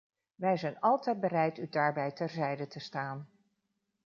Wij zijn altijd bereid u daarbij terzijde te staan.